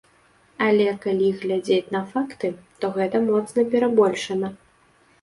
Але калі глядзець на факты, то гэта моцна перабольшана.